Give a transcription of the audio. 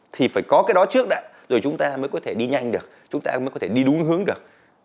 thì phải có cái đó trước đã rồi chúng ta mới có thể đi nhanh được chúng ta mới có thể đi đúng hướng được